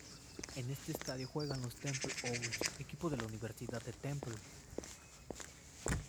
En el estadio juegan los Temple Owls, equipo de la Universidad de Temple.